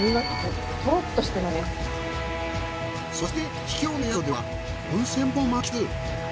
そして秘境の宿では温泉も満喫。